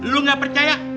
lu gak percaya